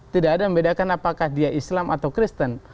tidak ada membedakan apakah dia islam atau kristen